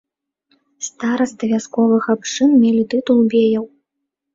Старасты вясковых абшчын мелі тытул беяў.